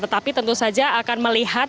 tetapi tentu saja akan melihat